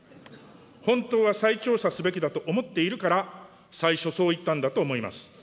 本当は再調査すべきだと思っているから、最初そう言ったんだと思います。